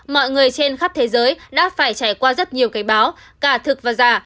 mọi người trên khắp thế giới đã phải trải qua rất nhiều cảnh báo cả thực và giả